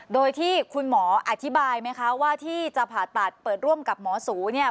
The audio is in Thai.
โดยที่คุณหมออธิบายไหมคะว่าที่จะผ่าตัดเปิดร่วมกับหมอสูเนี่ย